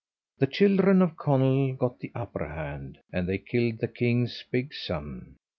The children of Conall got the upper hand, and they killed the king's big son.